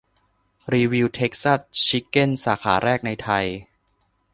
รีวิวเทกซัสชิกเก้นสาขาแรกในไทย